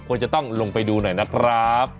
ควรจะต้องลงไปดูหน่อยนะครับ